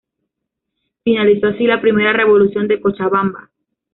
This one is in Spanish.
Finalizó así la primera Revolución de Cochabamba.